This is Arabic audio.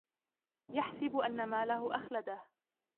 يحسب أن ماله أخلده